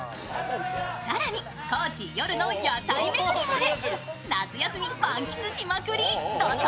更に、高知夜の屋台巡りまで。